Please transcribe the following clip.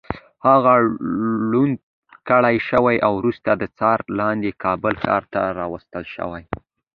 هغه ړوند کړی شو او وروسته د څارنې لاندې کابل ښار ته راوستل شو.